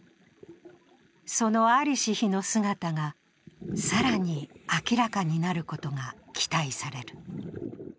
その在りし日の姿が更に明らかになることが期待される。